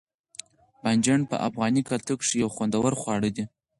بانجڼ په افغاني کلتور کښي یو خوندور خواړه دي.